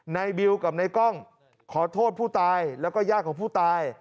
บิวกับนายกล้องขอโทษผู้ตายแล้วก็ญาติของผู้ตาย